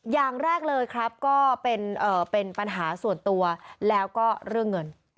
อย่างแรกเลยครับก็เป็นปัญหาส่วนตัวแล้วก็เรื่องเงิน